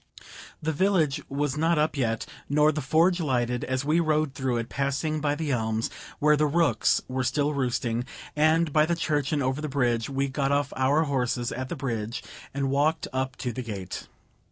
The village was not up yet, nor the forge lighted, as we rode through it, passing by the elms, where the rooks were still roosting, and by the church, and over the bridge. We got off our horses at the bridge and walked up to the gate.